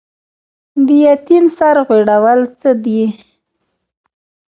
د یتیم سر غوړول څه دي؟